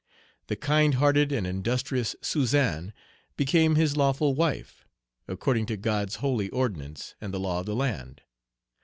The kind hearted and industrious Suzan became his lawful wife, according to "God's holy ordinance and the law of the land."